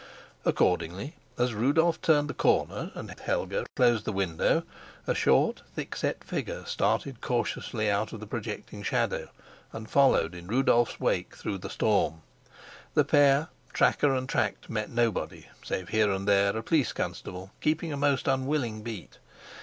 Accordingly, as Rudolf turned the corner and Helena closed the window, a short, thickset figure started cautiously out of the projecting shadow, and followed in Rudolf's wake through the storm. The pair, tracker and tracked, met nobody, save here and there a police constable keeping a most unwilling beat.